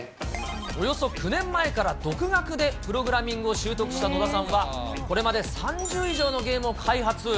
およそ９年前から独学でプログラミングを習得した野田さんは、これまで３０以上のゲームを開発。